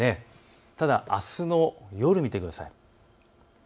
ただ、あすの夜を見てください。